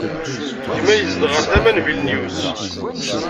Gma yezdeɣ ar tama n Vilnius.